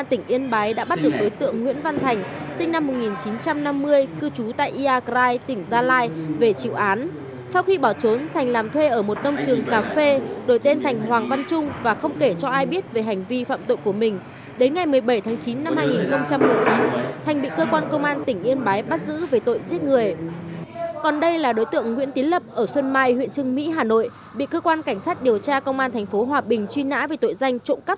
thường thường thì là các đối tượng truy nã